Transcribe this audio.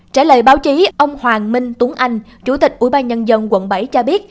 trả lời báo chí ông hoàng minh tuấn anh chủ tịch ủy ban nhân dân quận bảy cho biết